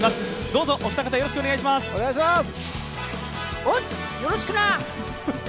どうぞお二方、よろしくお願いいたします。